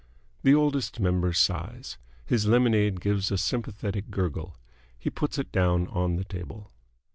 The Oldest Member sighs. His lemonade gives a sympathetic gurgle. He puts it down on the table.